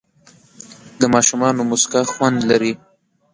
د ماشومانو موسکا خوند لري.